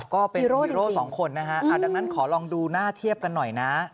ก็เป็นฮีโร่สองคนนะฮะดังนั้นขอลองดูหน้าเทียบกันหน่อยนะ